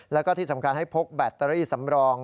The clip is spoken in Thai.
แล้วก็ที่สำคัญให้พกแบตเตอรี่สำรอง